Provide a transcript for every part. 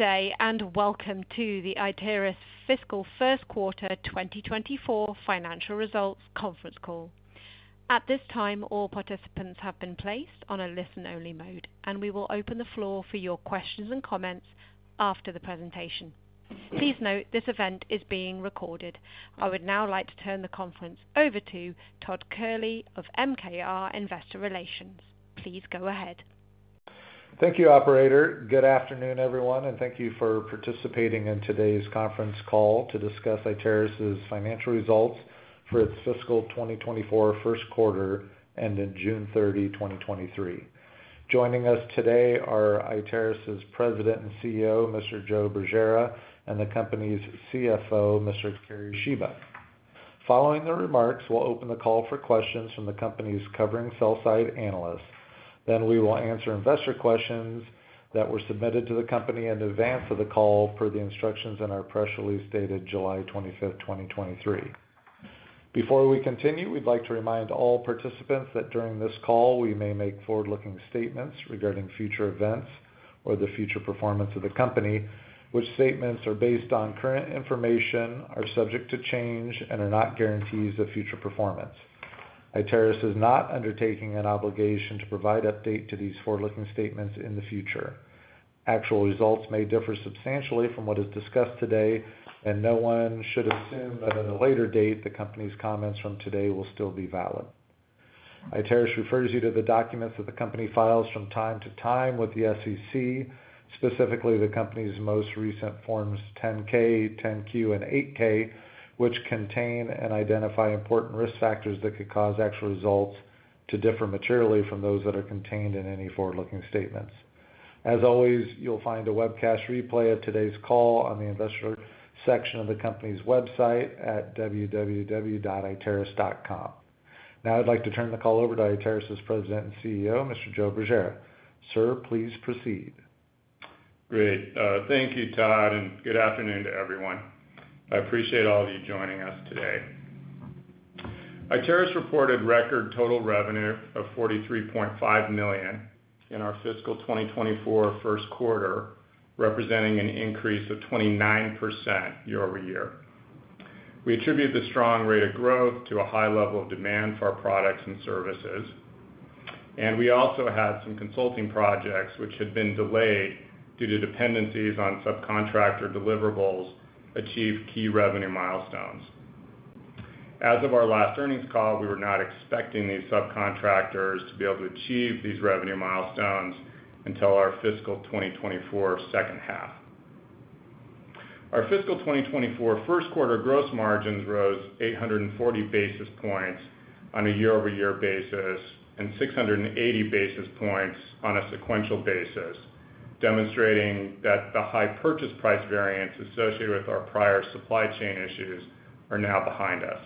Good day, and welcome to the Iteris fiscal first quarter 2024 financial results conference call. At this time, all participants have been placed on a listen-only mode, and we will open the floor for your questions and comments after the presentation. Please note, this event is being recorded. I would now like to turn the conference over to Todd Kehrli of MKR Investor Relations. Please go ahead. Thank you, operator. Good afternoon, everyone, thank you for participating in today's conference call to discuss Iteris's financial results for its fiscal 2024 first quarter, ending June 30, 2023. Joining us today are Iteris's President and CEO, Mr. Joe Bergera, and the company's CFO, Mr. Kerry Shiba. Following the remarks, we'll open the call for questions from the company's covering sell-side analysts. We will answer investor questions that were submitted to the company in advance of the call per the instructions in our press release, dated July 25th, 2023. Before we continue, we'd like to remind all participants that during this call, we may make forward-looking statements regarding future events or the future performance of the company, which statements are based on current information, are subject to change, and are not guarantees of future performance. Iteris is not undertaking an obligation to provide update to these forward-looking statements in the future. Actual results may differ substantially from what is discussed today. No one should assume that at a later date, the company's comments from today will still be valid. Iteris refers you to the documents that the company files from time to time with the SEC, specifically the company's most recent Forms 10-K, 10-Q, and 8-K, which contain and identify important risk factors that could cause actual results to differ materially from those that are contained in any forward-looking statements. As always, you'll find a webcast replay of today's call on the investor section of the company's website at www.iteris.com. Now, I'd like to turn the call over to Iteris's President and CEO, Mr. Joe Bergera. Sir, please proceed. Great. Thank you, Todd, and good afternoon to everyone. I appreciate all of you joining us today. Iteris reported record total revenue of $43.5 million in our fiscal 2024 first quarter, representing an increase of 29% year-over-year. We attribute the strong rate of growth to a high level of demand for our products and services, and we also had some consulting projects which had been delayed due to dependencies on subcontractor deliverables, achieve key revenue milestones. As of our last earnings call, we were not expecting these subcontractors to be able to achieve these revenue milestones until our fiscal 2024 second half. Our fiscal 2024 first quarter gross margins rose 840 basis points on a year-over-year basis and 680 basis points on a sequential basis, demonstrating that the high purchase price variance associated with our prior supply chain issues are now behind us.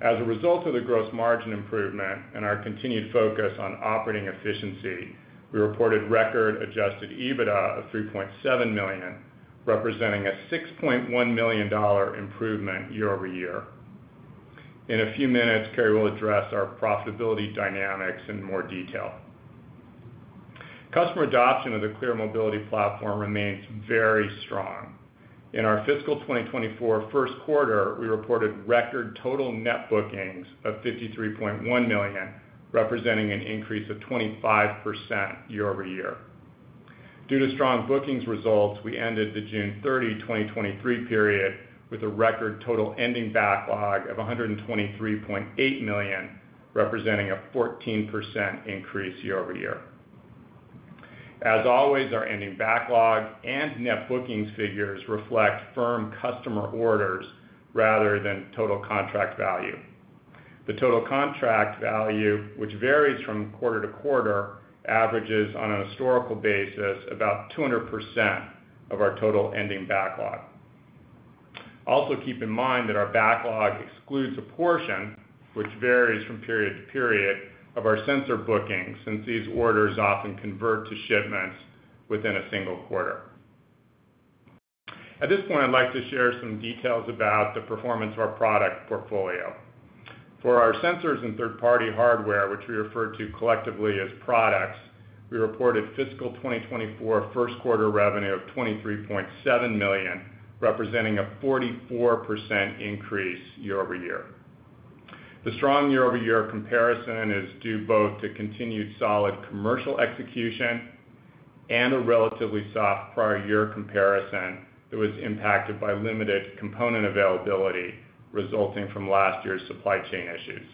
As a result of the gross margin improvement and our continued focus on operating efficiency, we reported record Adjusted EBITDA of $3.7 million, representing a $6.1 million improvement year-over-year. In a few minutes, Kerry will address our profitability dynamics in more detail. Customer adoption of the ClearMobility Platform remains very strong. In our fiscal 2024 first quarter, we reported record total net bookings of $53.1 million, representing an increase of 25% year-over-year. Due to strong bookings results, we ended the June 30, 2023 period with a record total ending backlog of $123.8 million, representing a 14% increase year-over-year. As always, our ending backlog and net bookings figures reflect firm customer orders rather than total contract value. The total contract value, which varies from quarter to quarter, averages on a historical basis, about 200% of our total ending backlog. Keep in mind that our backlog excludes a portion which varies from period to period, of our sensor bookings, since these orders often convert to shipments within a single quarter. At this point, I'd like to share some details about the performance of our product portfolio. For our sensors and third-party hardware, which we refer to collectively as products, we reported fiscal 2024 first quarter revenue of $23.7 million, representing a 44% increase year-over-year. The strong year-over-year comparison is due both to continued solid commercial execution and a relatively soft prior year comparison that was impacted by limited component availability resulting from last year's supply chain issues.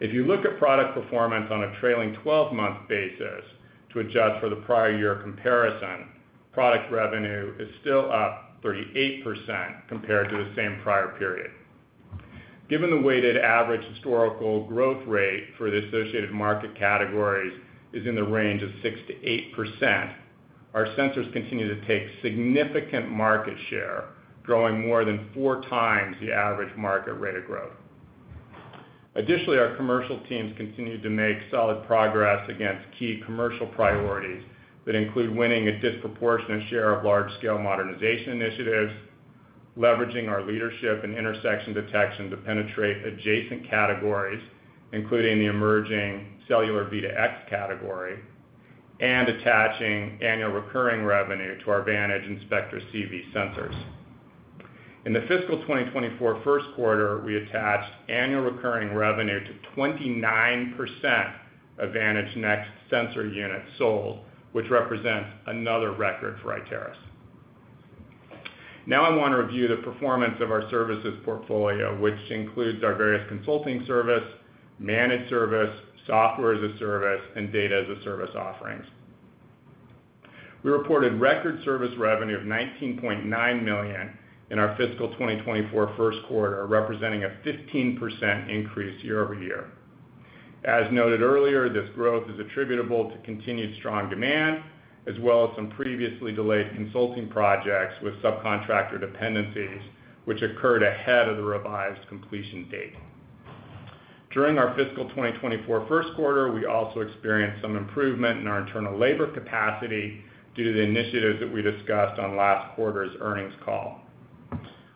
If you look at product performance on a trailing 12-month basis to adjust for the prior year comparison, product revenue is still up 38% compared to the same prior period. Given the weighted average historical growth rate for the associated market categories is in the range of 6%-8%, our sensors continue to take significant market share, growing more than 4x the average market rate of growth. Additionally, our commercial teams continued to make solid progress against key commercial priorities that include winning a disproportionate share of large-scale modernization initiatives, leveraging our leadership in intersection detection to penetrate adjacent categories, including the emerging cellular V2X category, and attaching annual recurring revenue to our Vantage Inspector CV sensors. In the fiscal 2024 first quarter, we attached annual recurring revenue to 29% of Vantage Next sensor units sold, which represents another record for Iteris. Now I want to review the performance of our services portfolio, which includes our various consulting service, managed service, software as a service, and data as a service offerings. We reported record service revenue of $19.9 million in our fiscal 2024 first quarter, representing a 15% increase year-over-year. As noted earlier, this growth is attributable to continued strong demand, as well as some previously delayed consulting projects with subcontractor dependencies, which occurred ahead of the revised completion date. During our fiscal 2024 first quarter, we also experienced some improvement in our internal labor capacity due to the initiatives that we discussed on last quarter's earnings call.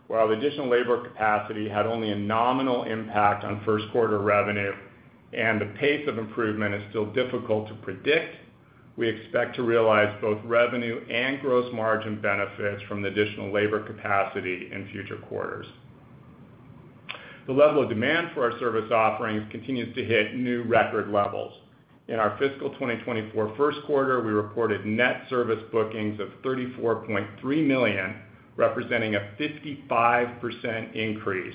While the additional labor capacity had only a nominal impact on first quarter revenue, and the pace of improvement is still difficult to predict, we expect to realize both revenue and gross margin benefits from the additional labor capacity in future quarters. The level of demand for our service offerings continues to hit new record levels. In our fiscal 2024 first quarter, we reported net service bookings of $34.3 million, representing a 55% increase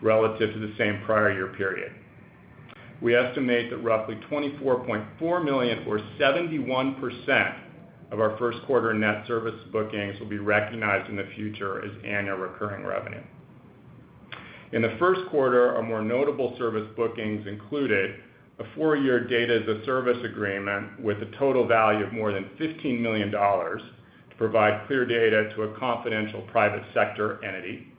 relative to the same prior year period. We estimate that roughly $24.4 million, or 71%, of our first quarter net service bookings will be recognized in the future as annual recurring revenue. In the first quarter, our more notable service bookings included a four-year data as a service agreement with a total value of more than $15 million to provide ClearData to a confidential private sector entity,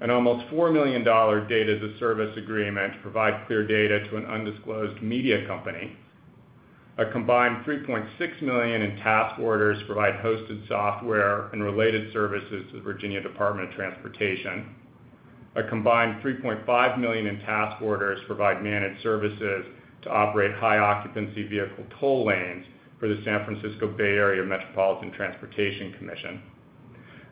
an almost $4 million data as a service agreement to provide ClearData to an undisclosed media company. A combined $3.6 million in task orders to provide hosted software and related services to the Virginia Department of Transportation. A combined $3.5 million in task orders to provide managed services to operate high occupancy vehicle toll lanes for the San Francisco Bay Area Metropolitan Transportation Commission.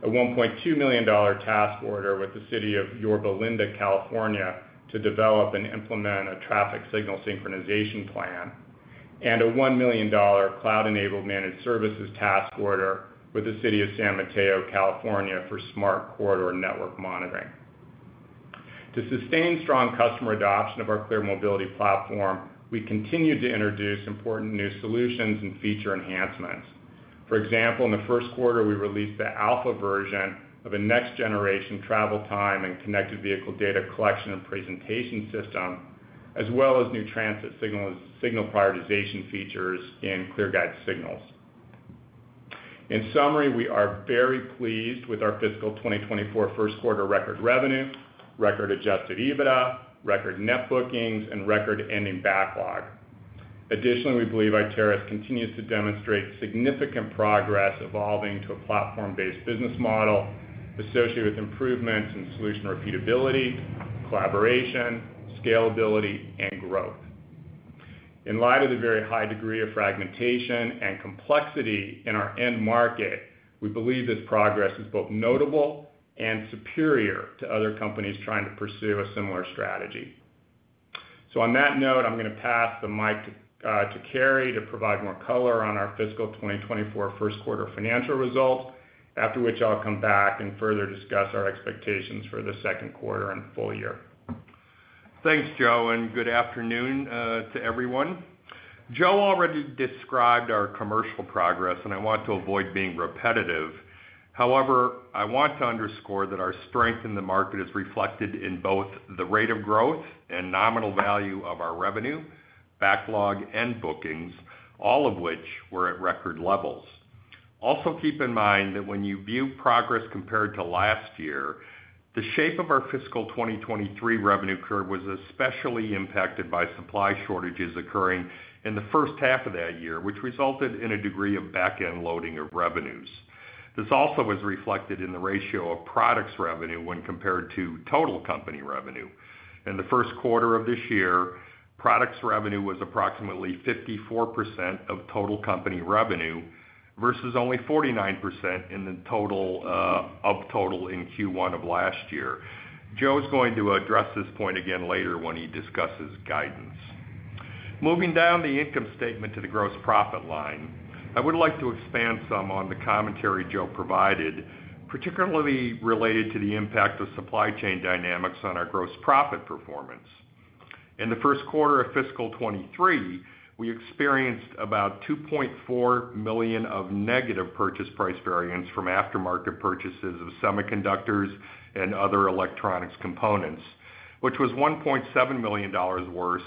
A $1.2 million task order with the city of Yorba Linda, California, to develop and implement a traffic signal synchronization plan, and a $1 million cloud-enabled managed services task order with the city of San Mateo, California, for smart corridor network monitoring. To sustain strong customer adoption of our ClearMobility Platform, we continue to introduce important new solutions and feature enhancements. For example, in the first quarter, we released the alpha version of a next generation travel time and connected vehicle data collection and presentation system, as well as new transit signal, signal prioritization features in ClearGuide Signals. In summary, we are very pleased with our fiscal 2024 first quarter record revenue, record Adjusted EBITDA, record net bookings, and record ending backlog. Additionally, we believe Iteris continues to demonstrate significant progress evolving to a platform-based business model associated with improvements in solution repeatability, collaboration, scalability, and growth. In light of the very high degree of fragmentation and complexity in our end market, we believe this progress is both notable and superior to other companies trying to pursue a similar strategy. On that note, I'm going to pass the mic to Kerry to provide more color on our fiscal 2024 first quarter financial results, after which I'll come back and further discuss our expectations for the second quarter and full year. Thanks, Joe, and good afternoon to everyone. Joe already described our commercial progress, and I want to avoid being repetitive. However, I want to underscore that our strength in the market is reflected in both the rate of growth and nominal value of our revenue, backlog, and bookings, all of which were at record levels. Also, keep in mind that when you view progress compared to last year, the shape of our fiscal 2023 revenue curve was especially impacted by supply shortages occurring in the first half of that year, which resulted in a degree of back-end loading of revenues. This also was reflected in the ratio of products revenue when compared to total company revenue. In the first quarter of this year, products revenue was approximately 54% of total company revenue, versus only 49% in total in Q1 of last year. Joe is going to address this point again later when he discusses guidance. Moving down the income statement to the gross profit line, I would like to expand some on the commentary Joe provided, particularly related to the impact of supply chain dynamics on our gross profit performance. In the first quarter of fiscal 2023, we experienced about $2.4 million of negative purchase price variance from aftermarket purchases of semiconductors and other electronics components, which was $1.7 million worse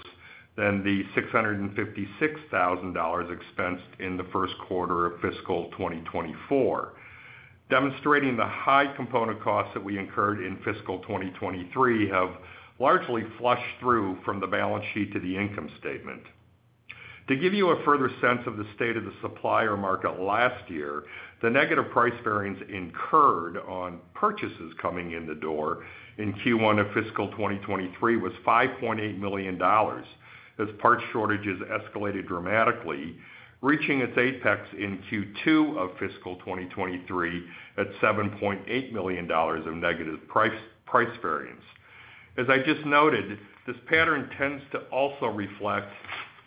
than the $656,000 expensed in the first quarter of fiscal 2024, demonstrating the high component costs that we incurred in fiscal 2023 have largely flushed through from the balance sheet to the income statement. To give you a further sense of the state of the supplier market last year, the negative price variance incurred on purchases coming in the door in Q1 of fiscal 2023 was $5.8 million, as part shortages escalated dramatically, reaching its apex in Q2 of fiscal 2023 at $7.8 million of negative price, price variance. As I just noted, this pattern tends to also reflect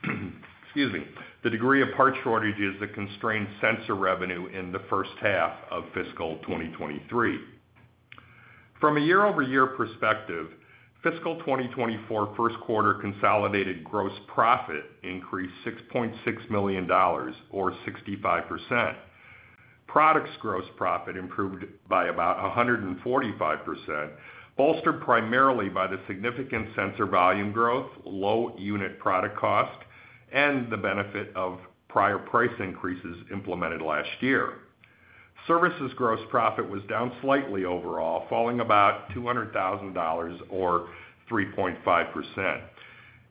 the degree of part shortages that constrained sensor revenue in the first half of fiscal 2023. From a year-over-year perspective, fiscal 2024 first quarter consolidated gross profit increased $6.6 million, or 65%. Products gross profit improved by about 145%, bolstered primarily by the significant sensor volume growth, low unit product cost, and the benefit of prior price increases implemented last year. Services gross profit was down slightly overall, falling about $200,000 or 3.5%.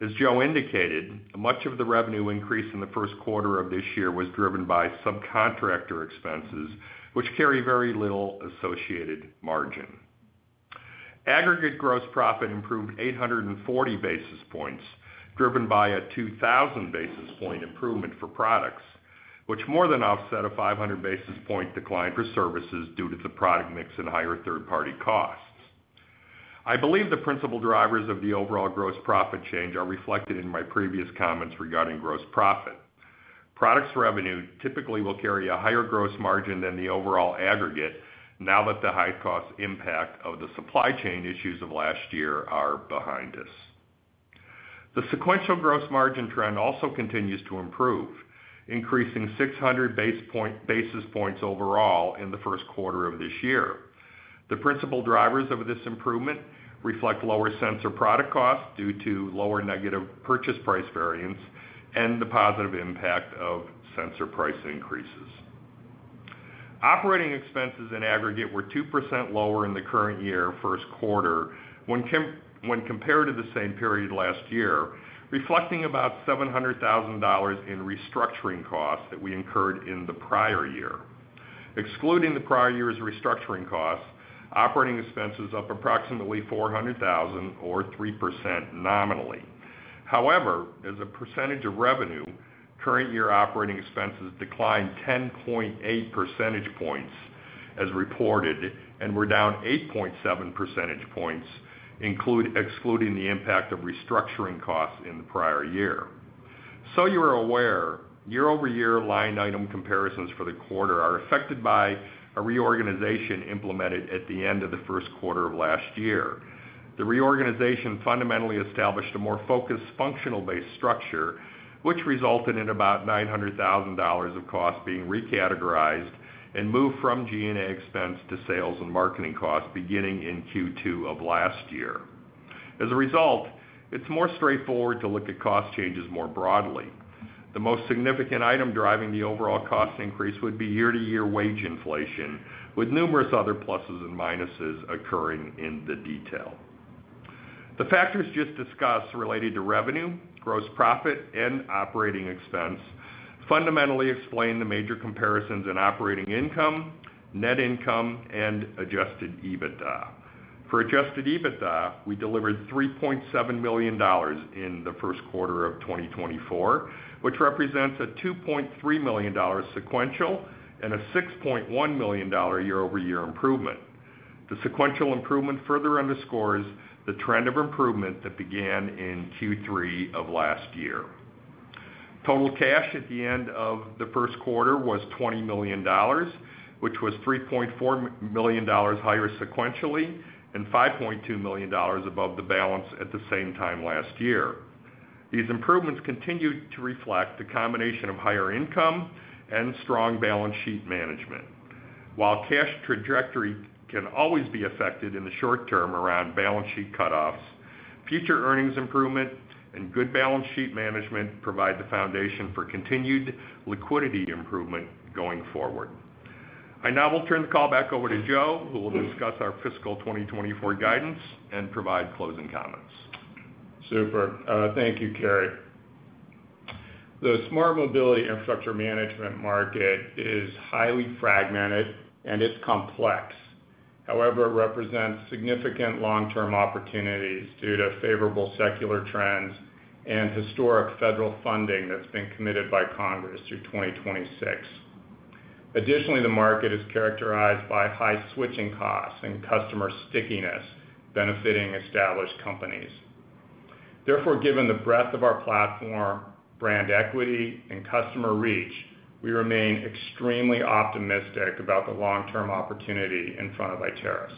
As Joe indicated, much of the revenue increase in the first quarter of this year was driven by subcontractor expenses, which carry very little associated margin. Aggregate gross profit improved 840 basis points, driven by a 2,000 basis point improvement for products, which more than offset a 500 basis point decline for services due to the product mix and higher third-party costs. I believe the principal drivers of the overall gross profit change are reflected in my previous comments regarding gross profit. Products revenue typically will carry a higher gross margin than the overall aggregate now that the high cost impact of the supply chain issues of last year are behind us. The sequential gross margin trend also continues to improve, increasing 600 basis points overall in the first quarter of this year. The principal drivers of this improvement reflect lower sensor product costs due to lower negative purchase price variance and the positive impact of sensor price increases. Operating expenses in aggregate were 2% lower in the current year first quarter, when compared to the same period last year, reflecting about $700,000 in restructuring costs that we incurred in the prior year. Excluding the prior year's restructuring costs, operating expenses up approximately $400,000 or 3% nominally. However, as a percentage of revenue, current year operating expenses declined 10.8 percentage points as reported, and were down 8.7 percentage points, excluding the impact of restructuring costs in the prior year. You are aware, year-over-year line item comparisons for the quarter are affected by a reorganization implemented at the end of the first quarter of last year. The reorganization fundamentally established a more focused functional-based structure, which resulted in about $900,000 of costs being recategorized and moved from G&A expense to sales and marketing costs beginning in Q2 of last year. As a result, it's more straightforward to look at cost changes more broadly. The most significant item driving the overall cost increase would be year-to-year wage inflation, with numerous other pluses and minuses occurring in the detail. The factors just discussed related to revenue, gross profit, and operating expense fundamentally explain the major comparisons in operating income, net income, and Adjusted EBITDA. For Adjusted EBITDA, we delivered $3.7 million in the first quarter of 2024, which represents a $2.3 million sequential and a $6.1 million year-over-year improvement. The sequential improvement further underscores the trend of improvement that began in Q3 of last year. Total cash at the end of the first quarter was $20 million, which was $3.4 million higher sequentially and $5.2 million above the balance at the same time last year. These improvements continued to reflect the combination of higher income and strong balance sheet management. While cash trajectory can always be affected in the short term around balance sheet cutoffs, future earnings improvement and good balance sheet management provide the foundation for continued liquidity improvement going forward. I now will turn the call back over to Joe, who will discuss our fiscal 2024 guidance and provide closing comments. Super. Thank you, Kerry. The smart mobility infrastructure management market is highly fragmented, and it's complex. However, it represents significant long-term opportunities due to favorable secular trends and historic federal funding that's been committed by Congress through 2026. Additionally, the market is characterized by high switching costs and customer stickiness, benefiting established companies. Therefore, given the breadth of our platform, brand equity, and customer reach, we remain extremely optimistic about the long-term opportunity in front of Iteris.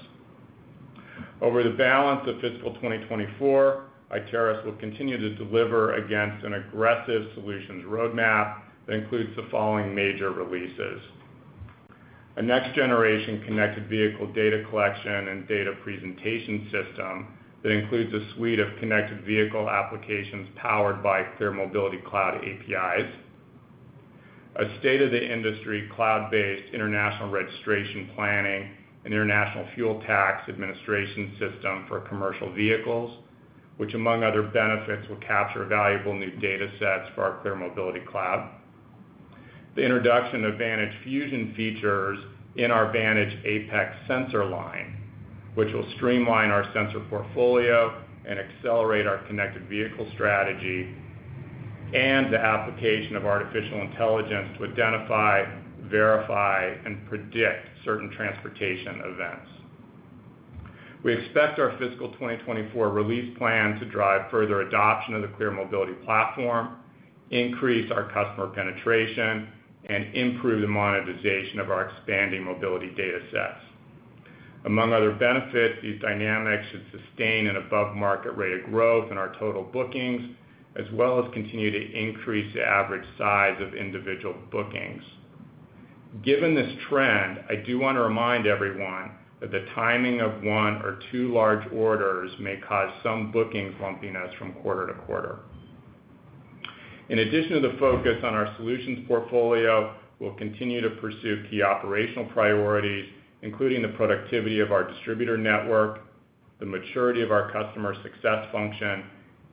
Over the balance of fiscal 2024, Iteris will continue to deliver against an aggressive solutions roadmap that includes the following major releases: A next-generation connected vehicle data collection and data presentation system that includes a suite of connected vehicle applications powered by ClearMobility Cloud APIs. A state-of-the-industry, cloud-based, international registration planning and international fuel tax administration system for commercial vehicles, which, among other benefits, will capture valuable new data sets for our ClearMobility Cloud. The introduction of Vantage Fusion features in our Vantage Apex sensor line, which will streamline our sensor portfolio and accelerate our connected vehicle strategy. The application of artificial intelligence to identify, verify, and predict certain transportation events. We expect our fiscal 2024 release plan to drive further adoption of the ClearMobility Platform, increase our customer penetration, and improve the monetization of our expanding mobility data sets. Among other benefits, these dynamics should sustain an above-market rate of growth in our total bookings, as well as continue to increase the average size of individual bookings. Given this trend, I do want to remind everyone that the timing of one or two large orders may cause some booking lumpiness from quarter to quarter. In addition to the focus on our solutions portfolio, we'll continue to pursue key operational priorities, including the productivity of our distributor network, the maturity of our customer success function,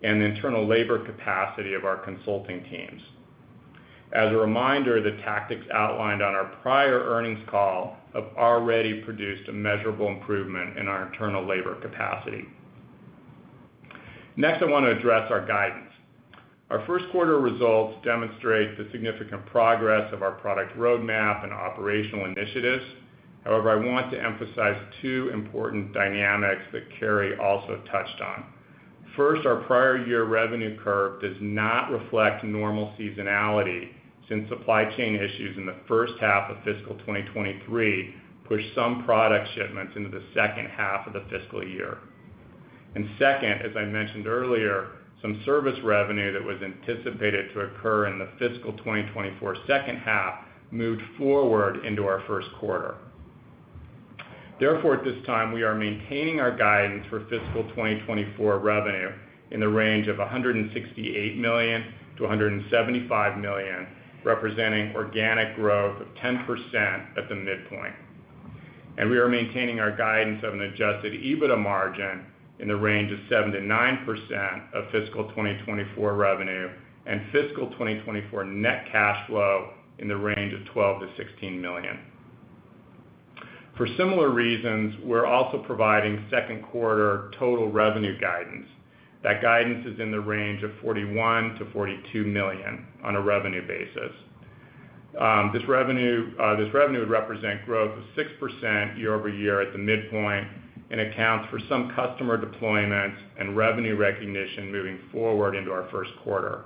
and the internal labor capacity of our consulting teams. As a reminder, the tactics outlined on our prior earnings call have already produced a measurable improvement in our internal labor capacity. Next, I want to address our guidance. Our first quarter results demonstrate the significant progress of our product roadmap and operational initiatives. However, I want to emphasize two important dynamics that Kerry also touched on. First, our prior year revenue curve does not reflect normal seasonality, since supply chain issues in the first half of fiscal 2023 pushed some product shipments into the second half of the fiscal year. Second, as I mentioned earlier, some service revenue that was anticipated to occur in the fiscal 2024 second half moved forward into our first quarter. Therefore, at this time, we are maintaining our guidance for fiscal 2024 revenue in the range of $168 million-$175 million, representing organic growth of 10% at the midpoint. We are maintaining our guidance of an Adjusted EBITDA margin in the range of 7%-9% of fiscal 2024 revenue, and fiscal 2024 net cash flow in the range of $12 million-$16 million. For similar reasons, we're also providing second quarter total revenue guidance. That guidance is in the range of $41 million-$42 million on a revenue basis. This revenue, this revenue would represent growth of 6% year-over-year at the midpoint, and accounts for some customer deployments and revenue recognition moving forward into our first quarter.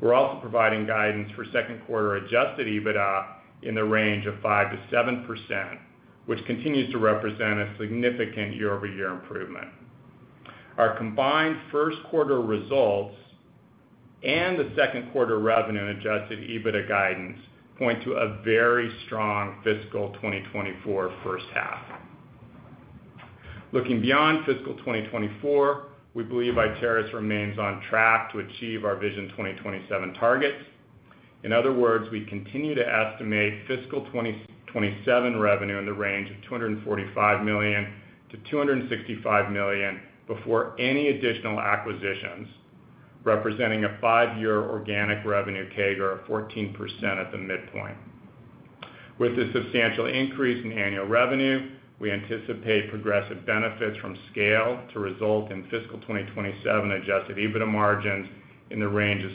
We're also providing guidance for second quarter Adjusted EBITDA in the range of 5%-7%, which continues to represent a significant year-over-year improvement. Our combined first quarter results and the second quarter revenue and Adjusted EBITDA guidance point to a very strong fiscal 2024 first half. Looking beyond fiscal 2024, we believe Iteris remains on track to achieve our Vision 2027 targets. In other words, we continue to estimate fiscal 2027 revenue in the range of $245 million to $265 million before any additional acquisitions, representing a five-year organic revenue CAGR of 14% at the midpoint. With a substantial increase in annual revenue, we anticipate progressive benefits from scale to result in fiscal 2027 Adjusted EBITDA margins in the range of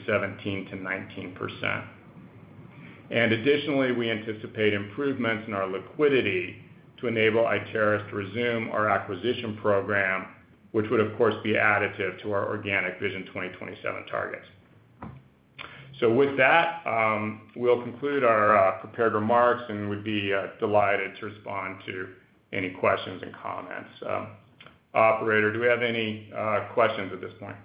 17%-19%. Additionally, we anticipate improvements in our liquidity to enable Iteris to resume our acquisition program, which would, of course, be additive to our organic Vision 2027 targets. With that, we'll conclude our prepared remarks, and we'd be delighted to respond to any questions and comments. Operator, do we have any questions at this point?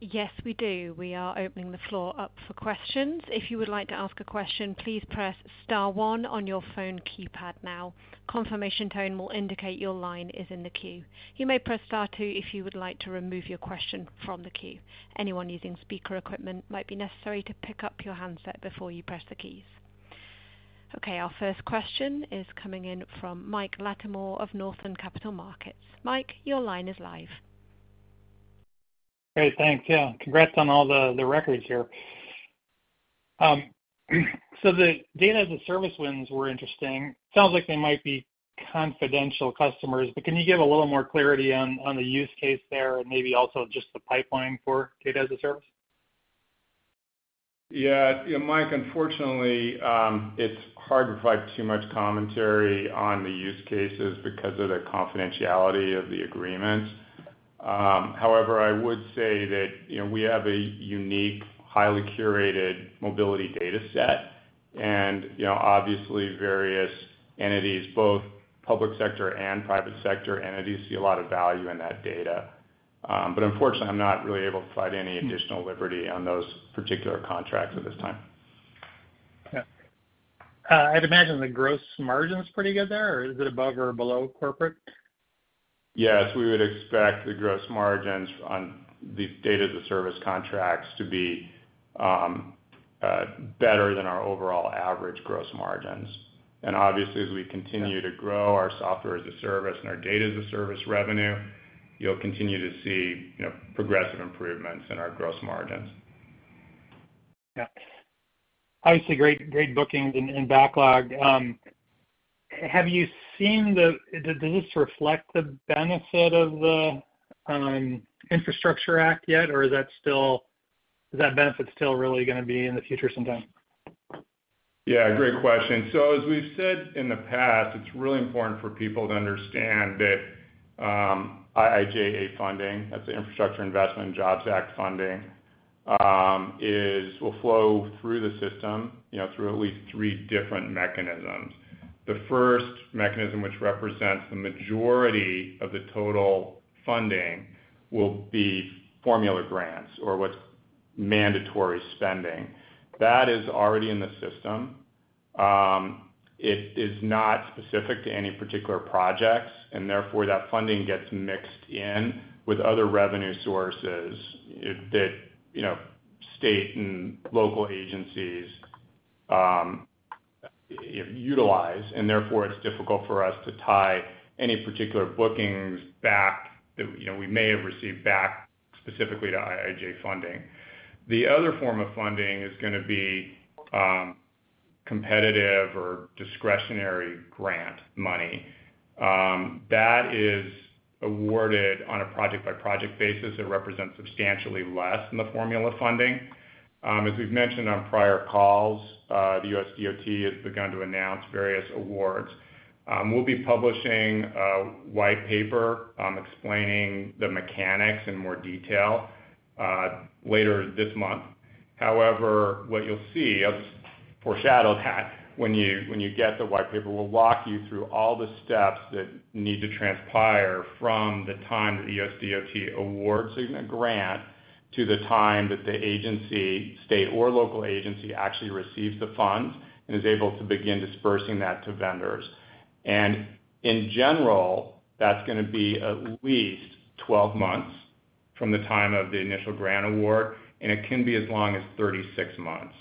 Yes, we do. We are opening the floor up for questions. If you would like to ask a question, please press star one on your phone keypad now. Confirmation tone will indicate your line is in the queue. You may press star two if you would like to remove your question from the queue. Anyone using speaker equipment, might be necessary to pick up your handset before you press the keys. Okay, our first question is coming in from Mike Latimore of Northland Capital Markets. Mike, your line is live. Great, thanks. Yeah, congrats on all the, the records here. The Data as a Service wins were interesting. Sounds like they might be confidential customers, but can you give a little more clarity on, on the use case there and maybe also just the pipeline for Data as a Service? Yeah. Yeah, Mike, unfortunately, it's hard to provide too much commentary on the use cases because of the confidentiality of the agreement. I would say that, you know, we have a unique, highly curated mobility data set. You know, obviously various entities, both public sector and private sector entities, see a lot of value in that data. Unfortunately, I'm not really able to provide any additional liberty on those particular contracts at this time. Yeah. I'd imagine the gross margin's pretty good there, or is it above or below corporate? Yes, we would expect the gross margins on the data as a service contracts to be better than our overall average gross margins. Obviously, as we continue to grow our software as a service and our data as a service revenue, you'll continue to see, you know, progressive improvements in our gross margins. Yeah. Obviously, great, great bookings and, and backlog. Have you seen did this reflect the benefit of the Infrastructure Act yet, or is that benefit still really gonna be in the future sometime? Yeah, great question. As we've said in the past, it's really important for people to understand that IIJA funding, that's the Infrastructure Investment and Jobs Act funding, will flow through the system, you know, through at least three different mechanisms. The first mechanism, which represents the majority of the total funding, will be formula grants or what's mandatory spending. That is already in the system. It is not specific to any particular projects, and therefore, that funding gets mixed in with other revenue sources that, you know, state and local agencies, utilize, and therefore, it's difficult for us to tie any particular bookings back, that, you know, we may have received back specifically to IIJA funding. The other form of funding is gonna be competitive or discretionary grant money that is awarded on a project-by-project basis. It represents substantially less than the formula funding. As we've mentioned on prior calls, the USDOT has begun to announce various awards. We'll be publishing a white paper, explaining the mechanics in more detail, later this month. However, what you'll see, as foreshadowed, Pat, when you, when you get the white paper, we'll walk you through all the steps that need to transpire from the time the USDOT awards a grant to the time that the agency, state or local agency, actually receives the funds and is able to begin dispersing that to vendors. In general, that's gonna be at least 12 months from the time of the initial grant award, and it can be as long as 36 months.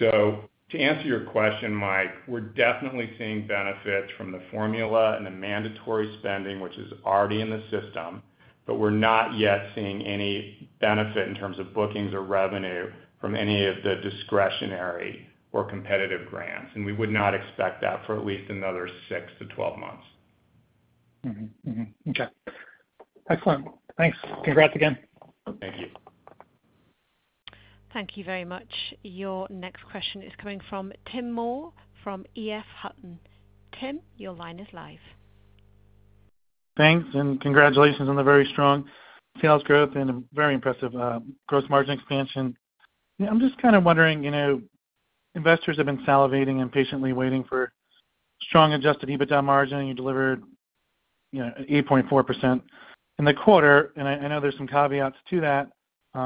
To answer your question, Mike, we're definitely seeing benefit from the formula and the mandatory spending, which is already in the system, but we're not yet seeing any benefit in terms of bookings or revenue from any of the discretionary or competitive grants, and we would not expect that for at least another six to 12 months. Mm-hmm. Mm-hmm. Okay. Excellent. Thanks. Congrats again. Thank you. Thank you very much. Your next question is coming from Tim Moore from EF Hutton. Tim, your line is live. Thanks. Congratulations on the very strong sales growth and a very impressive gross margin expansion. I'm just kind of wondering, you know, investors have been salivating and patiently waiting for strong Adjusted EBITDA margin. You delivered, you know, 8.4% in the quarter, and I know there's some caveats to that. You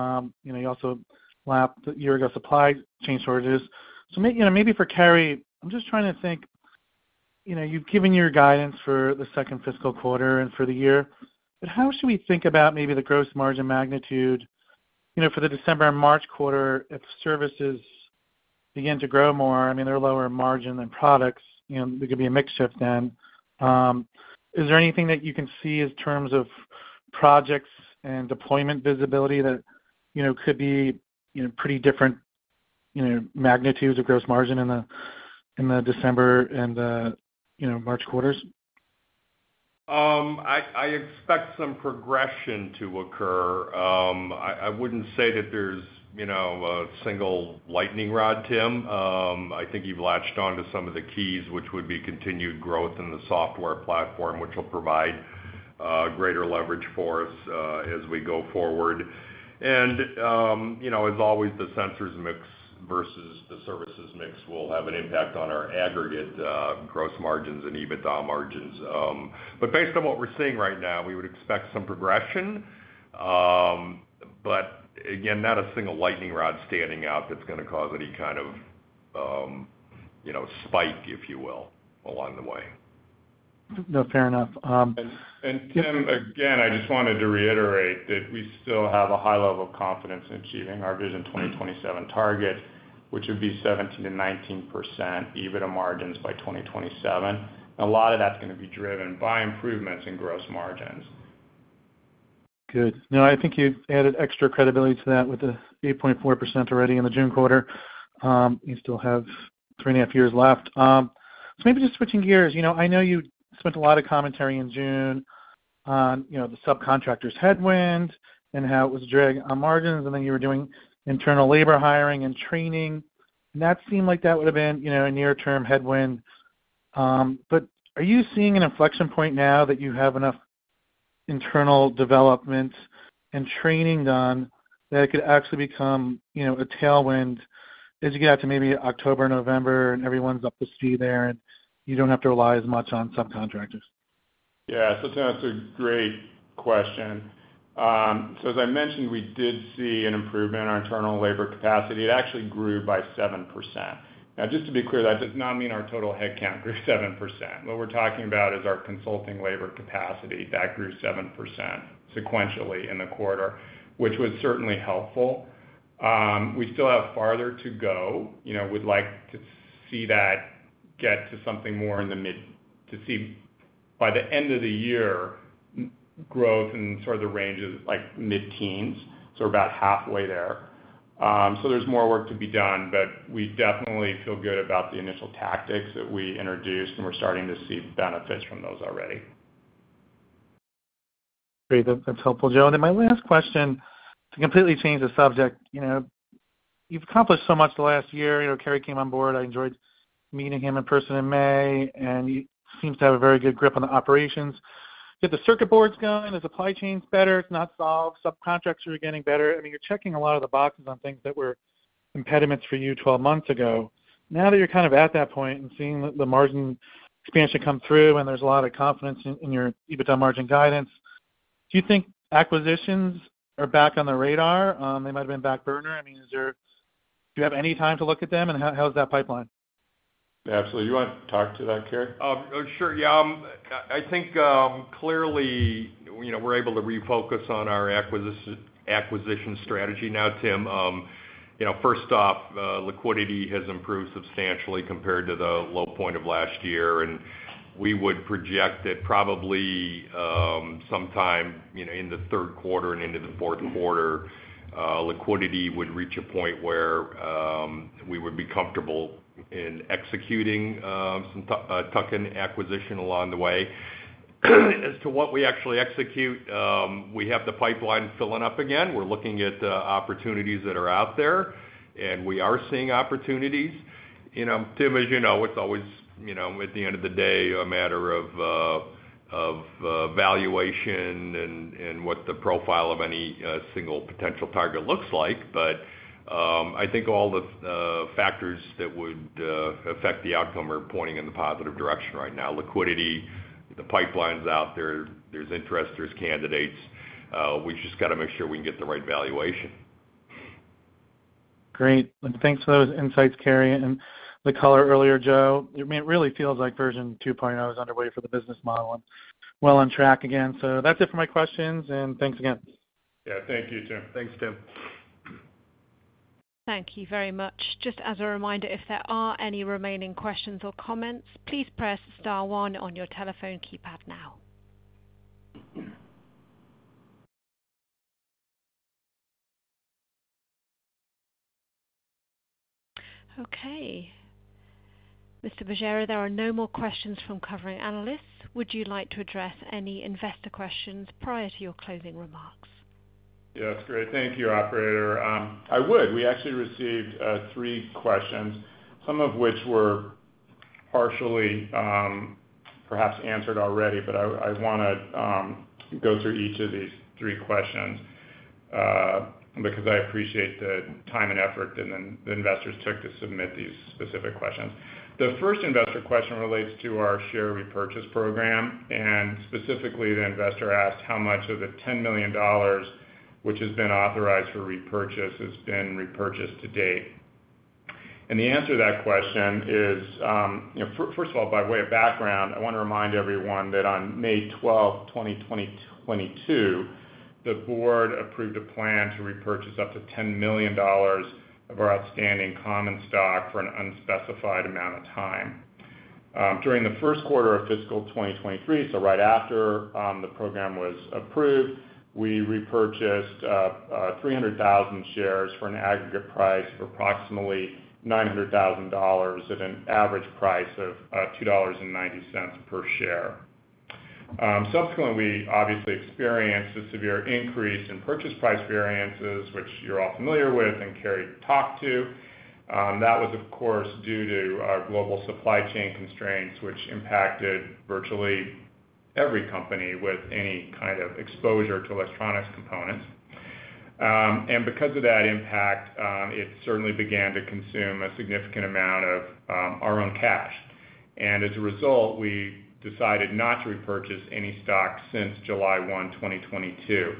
know, you also lapped a year ago, supply chain shortages. You know, maybe for Kerry, I'm just trying to think, you know, you've given your guidance for the second fiscal quarter and for the year, but how should we think about maybe the gross margin magnitude, you know, for the December and March quarter, if services begin to grow more, I mean, they're lower margin than products, you know, there could be a mix shift then. Is there anything that you can see in terms of projects and deployment visibility that, you know, could be, you know, pretty different, you know, magnitudes of gross margin in the, in the December and the, you know, March quarters? I, I expect some progression to occur. I, I wouldn't say that there's, you know, a single lightning rod, Tim. I think you've latched on to some of the keys, which would be continued growth in the software platform, which will provide greater leverage for us as we go forward. You know, as always, the sensors mix versus the services mix will have an impact on our aggregate gross margins and EBITDA margins. Based on what we're seeing right now, we would expect some progression. Again, not a single lightning rod standing out that's gonna cause any kind of, you know, spike, if you will, along the way. No, fair enough. Tim, again, I just wanted to reiterate that we still have a high level of confidence in achieving our Vision 2027 target, which would be 17%-19% EBITDA margins by 2027. A lot of that's gonna be driven by improvements in gross margins. Good. No, I think you added extra credibility to that with the 8.4% already in the June quarter. You still have 3.5 years left. Maybe just switching gears, you know, I know you spent a lot of commentary in June on, you know, the subcontractor's headwind and how it was dragging on margins, and then you were doing internal labor hiring and training, and that seemed like that would have been, you know, a near-term headwind. But are you seeing an inflection point now that you have enough internal development and training done that it could actually become, you know, a tailwind as you get out to maybe October, November, and everyone's up to speed there, and you don't have to rely as much on subcontractors? Yeah, Tim, that's a great question. As I mentioned, we did see an improvement in our internal labor capacity. It actually grew by 7%. Now, just to be clear, that does not mean our total headcount grew 7%. What we're talking about is our consulting labor capacity, that grew 7% sequentially in the quarter, which was certainly helpful. We still have farther to go. You know, we'd like to see that get to something more in the mid-- to see by the end of the year, growth in sort of the range of mid-teens, so we're about halfway there. There's more work to be done, but we definitely feel good about the initial tactics that we introduced, and we're starting to see benefits from those already. Great. That's, that's helpful, Joe. Then my last question, to completely change the subject, you know, you've accomplished so much the last year. You know, Kerry came on board. I enjoyed meeting him in person in May, and he seems to have a very good grip on the operations. Get the circuit boards going, the supply chain's better, it's not solved. Subcontracts are getting better. I mean, you're checking a lot of the boxes on things that were impediments for you 12 months ago. Now that you're kind of at that point and seeing the, the margin expansion come through, and there's a lot of confidence in, in your EBITDA margin guidance, do you think acquisitions are back on the radar? They might have been back burner. I mean, do you have any time to look at them, and how, how's that pipeline? Absolutely. You want to talk to that, Kerry? Sure. Yeah, I, I think, clearly, you know, we're able to refocus on our acquisition strategy now, Tim. You know, first off, liquidity has improved substantially compared to the low point of last year, and we would project that probably, sometime, you know, in the third quarter and into the fourth quarter, liquidity would reach a point where, we would be comfortable in executing, some tuck-in acquisition along the way. As to what we actually execute, we have the pipeline filling up again. We're looking at opportunities that are out there, and we are seeing opportunities. You know, Tim, as you know, it's always, you know, at the end of the day, a matter of, of valuation and, and what the profile of any single potential target looks like. I think all the factors that would affect the outcome are pointing in the positive direction right now. Liquidity, the pipeline's out there, there's interest, there's candidates, we just gotta make sure we can get the right valuation. Great. Thanks for those insights, Kerry, and the color earlier, Joe. I mean, it really feels like version 2.0 is underway for the business model and well on track again. That's it for my questions, and thanks again. Yeah, thank you, Tim. Thanks, Tim. Thank you very much. Just as a reminder, if there are any remaining questions or comments, please press star one on your telephone keypad now. Okay, Mr. Bergera, there are no more questions from covering analysts. Would you like to address any investor questions prior to your closing remarks? Yes, great. Thank you, operator. I would. We actually received three questions, some of which were partially perhaps answered already, but I, I wanna go through each of these three questions because I appreciate the time and effort that the investors took to submit these specific questions. The first investor question relates to our share repurchase program. Specifically, the investor asked how much of the $10 million, which has been authorized for repurchase, has been repurchased to date. The answer to that question is, you know, first of all, by way of background, I want to remind everyone that on May 12th, 2022, the board approved a plan to repurchase up to $10 million of our outstanding common stock for an unspecified amount of time. During the first quarter of fiscal 2023, so right after, the program was approved, we repurchased 300,000 shares for an aggregate price of approximately $900,000 at an average price of $2.90 per share. Subsequently, obviously experienced a severe increase in purchase price variances, which you're all familiar with and Kerry talked to. That was, of course, due to our global supply chain constraints, which impacted virtually every company with any kind of exposure to electronics components. Because of that impact, it certainly began to consume a significant amount of our own cash. As a result, we decided not to repurchase any stock since July 1, 2022.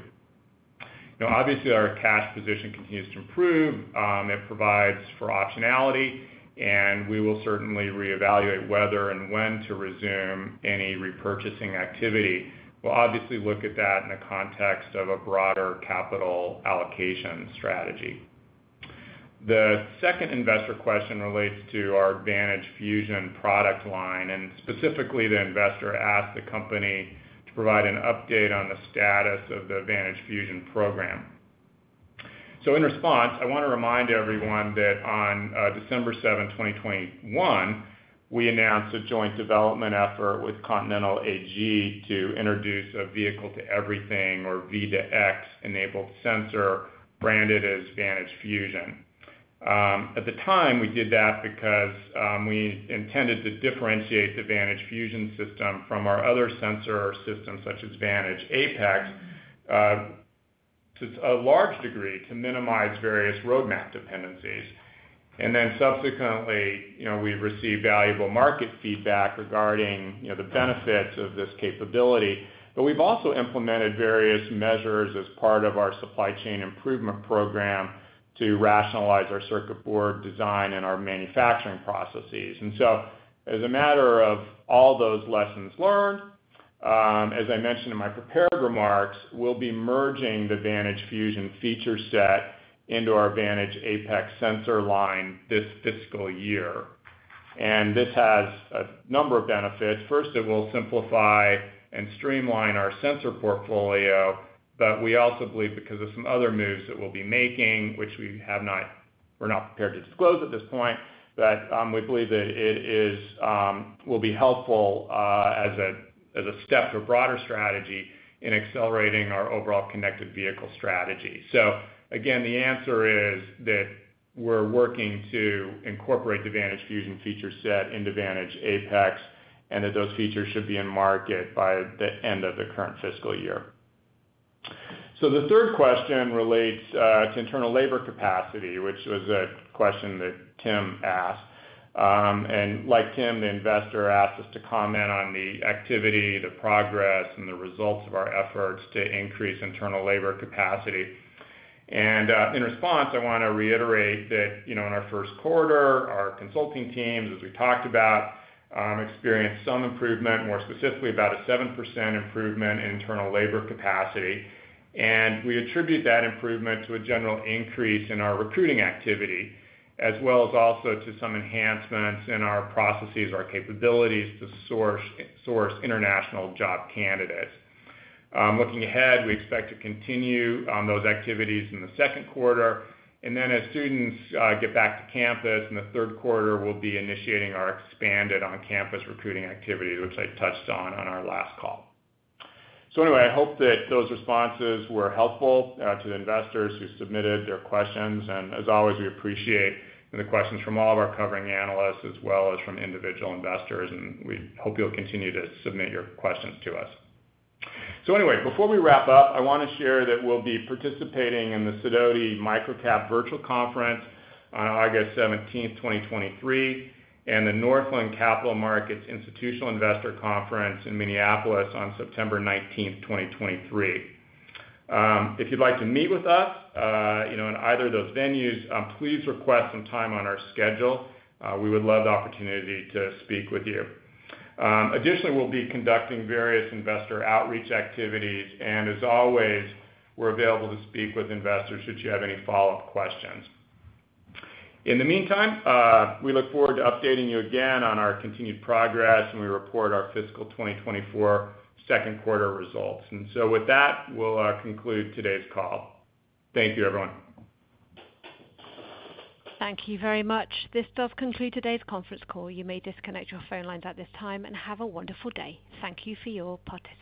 Obviously, our cash position continues to improve. It provides for optionality, and we will certainly reevaluate whether and when to resume any repurchasing activity. We'll obviously look at that in the context of a broader capital allocation strategy. The second investor question relates to our Vantage Fusion product line, and specifically, the investor asked the company to provide an update on the status of the Vantage Fusion program. In response, I wanna remind everyone that on December 7, 2021, we announced a joint development effort with Continental AG to introduce a Vehicle-to-Everything or V2X-enabled sensor branded as Vantage Fusion. At the time, we did that because we intended to differentiate the Vantage Fusion system from our other sensor systems, such as Vantage Apex to a large degree, to minimize various roadmap dependencies. Subsequently, you know, we've received valuable market feedback regarding, you know, the benefits of this capability. We've also implemented various measures as part of our supply chain improvement program to rationalize our circuit board design and our manufacturing processes. As a matter of all those lessons learned, as I mentioned in my prepared remarks, we'll be merging the Vantage Fusion feature set into our Vantage Apex sensor line this fiscal year. This has a number of benefits. First, it will simplify and streamline our sensor portfolio, but we also believe because of some other moves that we have not-- we're not prepared to disclose at this point, that we believe that it is will be helpful as a step to a broader strategy in accelerating our overall connected vehicle strategy. Again, the answer is that we're working to incorporate the Vantage Fusion feature set into Vantage Apex, and that those features should be in market by the end of the current fiscal year. The third question relates to internal labor capacity, which was a question that Tim asked. Like Tim, the investor asked us to comment on the activity, the progress, and the results of our efforts to increase internal labor capacity. In response, I wanna reiterate that, you know, in our first quarter, our consulting teams, as we talked about, experienced some improvement, more specifically about a 7% improvement in internal labor capacity. We attribute that improvement to a general increase in our recruiting activity, as well as also to some enhancements in our processes, our capabilities to source, source international job candidates. Looking ahead, we expect to continue on those activities in the second quarter, and then as students get back to campus in the third quarter, we'll be initiating our expanded on-campus recruiting activity, which I touched on, on our last call. I hope that those responses were helpful to the investors who submitted their questions, and as always, we appreciate the questions from all of our covering analysts as well as from individual investors, and we hope you'll continue to submit your questions to us. Before we wrap up, I wanna share that we'll be participating in the Sidoti Micro-Cap Virtual Conference on August 17th, 2023, and the Northland Capital Markets Institutional Investor Conference in Minneapolis on September 19th, 2023. If you'd like to meet with us, you know, in either of those venues, please request some time on our schedule. We would love the opportunity to speak with you. Additionally, we'll be conducting various investor outreach activities, and as always, we're available to speak with investors should you have any follow-up questions. In the meantime, we look forward to updating you again on our continued progress, when we report our fiscal 2024 second quarter results. With that, we'll conclude today's call. Thank you, everyone. Thank you very much. This does conclude today's conference call. You may disconnect your phone lines at this time, and have a wonderful day. Thank you for your participation.